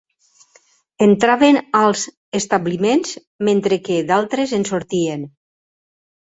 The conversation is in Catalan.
Entraven als establiments, mentre que d'altres en sortien